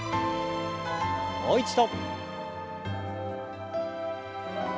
もう一度。